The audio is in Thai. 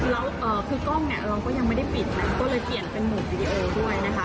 แล้วคือกล้องเนี่ยเราก็ยังไม่ได้ปิดนะก็เลยเปลี่ยนเป็นมุมวิดีโอด้วยนะคะ